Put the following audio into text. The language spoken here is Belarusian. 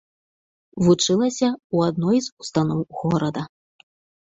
Вучылася ў адной з устаноў горада.